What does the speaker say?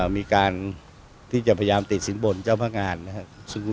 มีการที่จะพยายามติดสินบนเจ้าพนักงานนะครับ